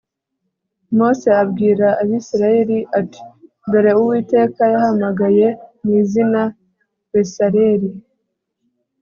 mose abwira abisirayeli ati dore, uwiteka yahamagaye mu izina besaleli